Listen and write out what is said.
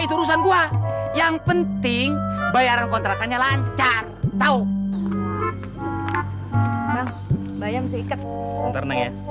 itu urusan gua yang penting bayaran kontrakannya lancar tahu bayar